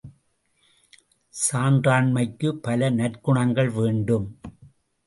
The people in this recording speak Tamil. சான்றாண்மைக்குப் பல நற்குணங்கள் வேண்டும்.